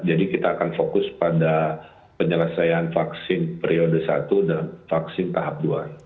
jadi kita akan fokus pada penyelesaian vaksin periode satu dan vaksin tahap dua